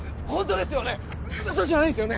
ウソじゃないですよね？